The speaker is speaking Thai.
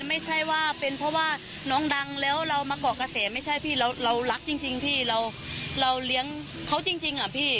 ไม่ใช่ว่าเป็นเพราะว่าน้องดังแล้วเรามาเกาะกระแสไม่ใช่พี่เรารักจริงพี่เราเลี้ยงเขาจริงอ่ะพี่